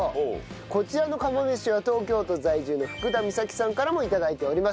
こちらの釜飯は東京都在住の福田美咲さんからも頂いております。